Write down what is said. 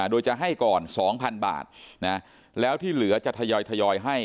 โดยจะให้ก่อนสองพันบาทนะแล้วที่เหลือจะทยอยทยอยให้